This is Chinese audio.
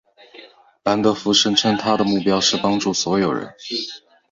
兰德福声称他的目标是帮助所有人。